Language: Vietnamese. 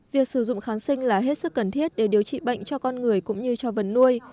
việc sử dụng kháng sinh là hết sức cần thiết để điều trị bệnh cho con người cũng như cho vần nuôi